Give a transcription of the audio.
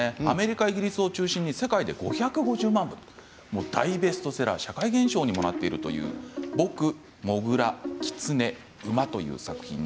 アメリカ、イギリスを中心に世界で５５０万部大ベストセラーの社会現象にもなっているという「ぼくモグラキツネ馬」です。